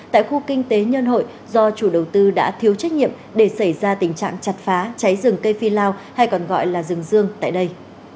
tại khu kinh tế nhân hội do chủ đầu tư đã thiếu trách nhiệm để xảy ra tình trạng chặt phá cháy rừng cây phi lao hay còn gọi là rừng dương tại đây